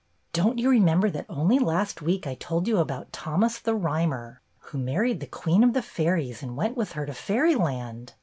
"Don't you remember that only last week I told you about Thomas the Rhymer, who married the Queen of the Fairies and went with her to Fairyland?